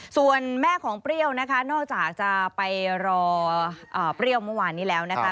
ส่วนแม่ของเปรี้ยวนะคะนอกจากจะไปรอเปรี้ยวเมื่อวานนี้แล้วนะคะ